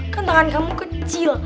kan tangan kamu kecil